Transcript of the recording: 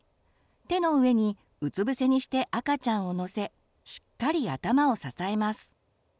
手の上にうつぶせにして赤ちゃんを乗せしっかり頭を支えます。